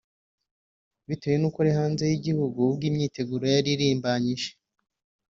Bitewe n’uko nari hanze y’igihugu ubwo imyiteguro yari irimbanyije